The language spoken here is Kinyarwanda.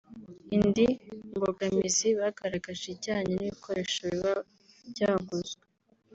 Indi mbogamizi bagaragaje ijyanye n’ibikoresho biba byaguzwe